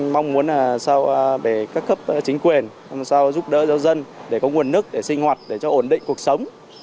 mong muốn là sao để các cấp chính quyền làm sao giúp đỡ giáo dân để có nguồn nước để sinh hoạt để cho ổn định cuộc sống